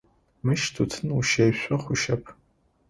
Мыщ тутын ущешъо хъущэп.